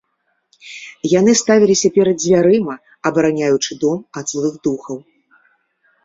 Яны ставіліся перад дзвярыма, абараняючы дом ад злых духаў.